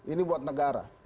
ini buat negara